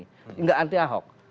tidak anti ahok